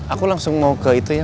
aku langsung mau ke itu ya